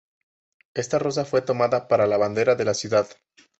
Esta rosa fue tomada para la bandera de la ciudad.